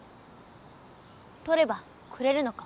とればくれるのか？